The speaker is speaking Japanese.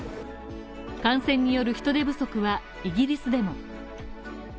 感染による人手不足はイギリスでも。